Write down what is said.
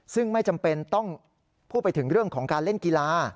ซึ่งไม่จำเป็นต้องพูดไปถึงเรื่องของการเล่นกีฬา